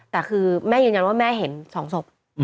แต่คือแม่ยืนยันว่าแม่เห็น๒ศพ